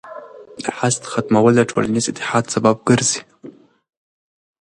د حسد ختمول د ټولنیز اتحاد سبب ګرځي.